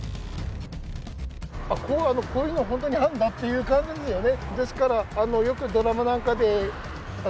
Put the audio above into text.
こういうの、本当にあんだって感じですよね。